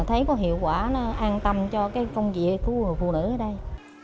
thấy có hiệu quả an tâm cho công việc của phụ nữ ở đây